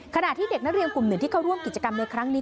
ขณะที่เด็กนักเรียนกลุ่มหนึ่งที่เข้าร่วมกิจกรรมในครั้งนี้